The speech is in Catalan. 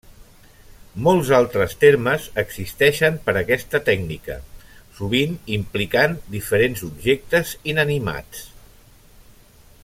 Molts altres termes existeixen per aquesta tècnica, sovint implicant diferents objectes inanimats.